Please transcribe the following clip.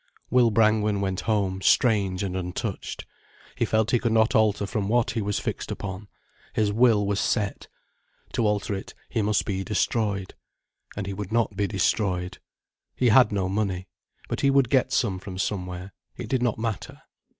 Will Brangwen went home strange and untouched. He felt he could not alter from what he was fixed upon, his will was set. To alter it he must be destroyed. And he would not be destroyed. He had no money. But he would get some from somewhere, it did not matter.